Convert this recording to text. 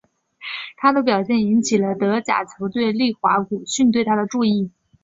他的表现引起了德甲球队利华古逊对他的注意。